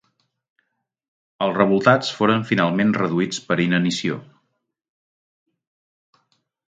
Els revoltats foren finalment reduïts per inanició.